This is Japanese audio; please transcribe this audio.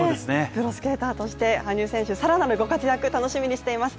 プロスケーターとして羽生選手、更なるご活躍楽しみにしています。